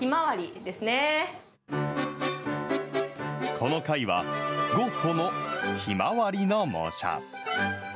この回は、ゴッホのひまわりの模写。